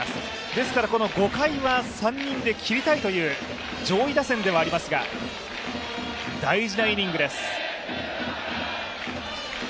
ですから、５回は３人で切りたいという、上位打線ではありますが、大事なイニングです。